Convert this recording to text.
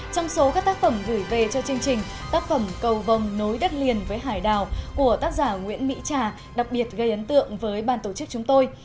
trong số các tác phẩm gửi về cho chương trình tác phẩm cầu nối đất liền với hải đảo của tác giả nguyễn mỹ trà đặc biệt gây ấn tượng với bàn tổ chức chúng tôi